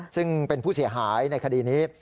ซึ่งเป็นผู้เสียหายในคดีนี้